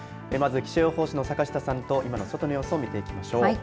まず、気象予報士の坂下さんと外の様子、見ていきましょう。